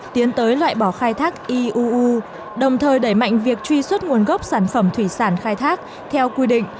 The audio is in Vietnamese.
tiến tới loại bỏ khai thác iuu đồng thời đẩy mạnh việc truy xuất nguồn gốc sản phẩm thủy sản khai thác theo quy định